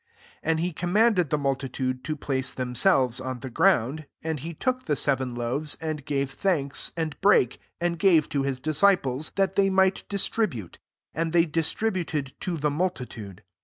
6 And he commanded the mul titude to place themselves on the ground; and he took the seven loaves, and gave thaiUufi and brake, and gave to his <" ciples, that they might tribute ; and they distributed 1 the multitude.